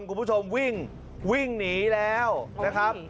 คุณผู้ชมวิ่งวิ่งหนีแล้วนะครับ